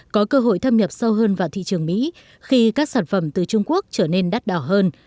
có cơ hội thâm nhập sâu hơn vào thị trường mỹ khi các sản phẩm từ trung quốc trở nên đắt đỏ hơn